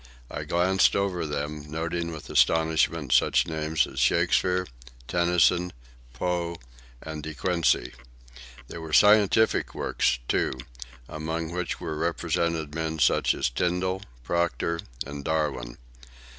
I glanced over them, noting with astonishment such names as Shakespeare, Tennyson, Poe, and De Quincey. There were scientific works, too, among which were represented men such as Tyndall, Proctor, and Darwin.